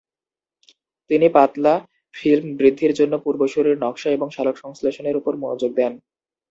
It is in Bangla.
তিনি পাতলা ফিল্ম বৃদ্ধির জন্য পূর্বসূরীর নকশা এবং সংশ্লেষণের উপর মনোযোগ দেন।